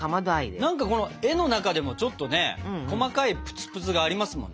何か絵の中でもちょっとね細かいぷつぷつがありますもんね。